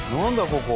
ここ。